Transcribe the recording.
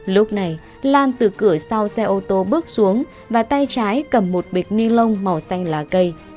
lúc này lan từ cửa sau xe ô tô bước xuống và tay trái cầm một bịch ni lông màu xanh lá cây